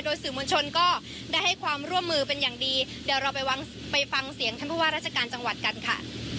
สื่อมวลชนก็ได้ให้ความร่วมมือเป็นอย่างดีเดี๋ยวเราไปวางไปฟังเสียงท่านผู้ว่าราชการจังหวัดกันค่ะ